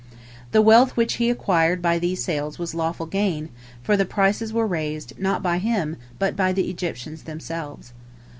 The wealth which he acquired by these sales was lawful gain, for the prices were raised, not by him, but by the Egyptians themselves.